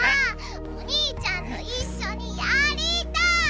お兄ちゃんと一緒にやりたい！